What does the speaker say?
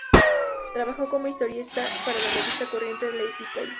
Trabajó como historietista para la revista "Corriere dei Piccoli".